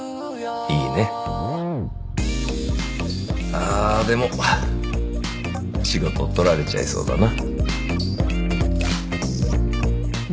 ああでも仕事取られちゃいそうだな。